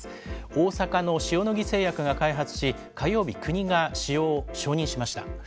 大阪の塩野義製薬が開発し、火曜日、国が使用を承認しました。